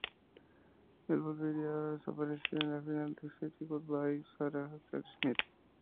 Volverá a aparecer en el final de la serie, "Goodbye, Sarah Jane Smith".